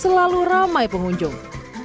selalu ramai pengunjung